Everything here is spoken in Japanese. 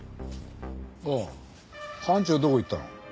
ああ班長どこ行ったの？